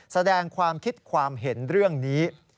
แสดงความคิดความเห็นเรื่องนี้